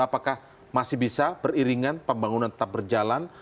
apakah masih bisa beriringan pembangunan tetap berjalan